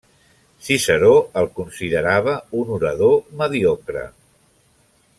Ciceró el considerava un orador mediocre.